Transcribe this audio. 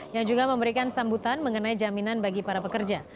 yang juga memberikan sambutan mengenai jaminan bagi para pekerja